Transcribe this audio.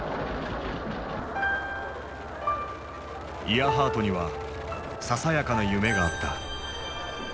イアハートにはささやかな夢があった。